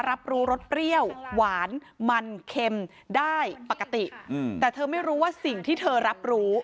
รับรู้รสเปรี้ยวหวานมันเค็มได้ปกติแต่เธอไม่รู้ว่าสิ่งที่เธอรับรู้